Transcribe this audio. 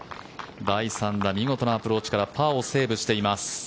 第３打見事なアプローチからパーをセーブしています。